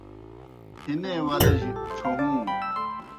ہنے ولِجیْ ڇھہُوں